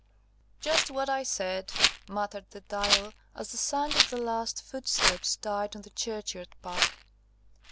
"Just what I said," muttered the Dial, as the sound of the last footsteps died on the churchyard path.